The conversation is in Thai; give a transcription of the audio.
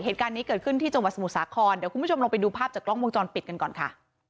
เหตุการณ์นี้เกิดขึ้นที่จังหวัดสมุทรสาครเดี๋ยวคุณผู้ชมลองไปดูภาพจากกล้องวงจรปิดกันก่อนค่ะ